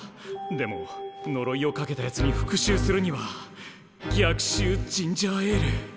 でものろいをかけたやつに復しゅうするには逆襲ジンジャーエール。